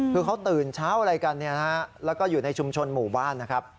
คือเขาตื่นเช้าอะไรกันเนี่ยนะฮะแล้วก็อยู่ในชุมชนหมู่บ้านนะครับ